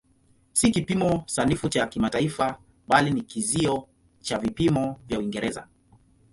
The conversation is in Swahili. Si kipimo sanifu cha kimataifa bali ni kizio cha vipimo vya Uingereza.